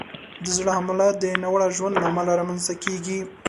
د زړه حمله د ناوړه ژوند له امله رامنځته کېږي.